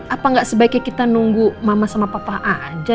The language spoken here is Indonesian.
apa nggak sebaiknya kita nunggu mama sama papa aja